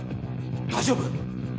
大丈夫？